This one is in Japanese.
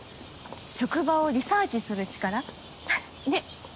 職場をリサーチする力？ははっねぇ。